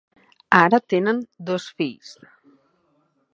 Ara tenen dos fills.